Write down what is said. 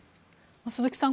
鈴木さん